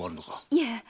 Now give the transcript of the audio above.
いえ！